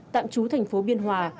tạm trú thành phố biên hòa